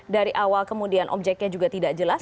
dari awal kemudian objeknya juga tidak jelas